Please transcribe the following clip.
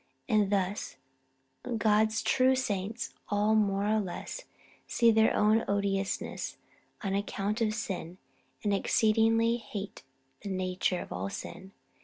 And, thus, God's true saints all more or less see their own odiousness on account of sin, and the exceedingly hateful nature of all sin.